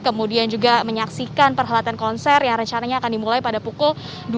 kemudian juga menyaksikan perhelatan konser yang rencananya akan dimulai pada pukul dua puluh